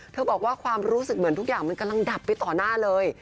บอกว่าความรู้สึกเหมือนทุกอย่างมันกำลังดับไปต่อหน้าเลย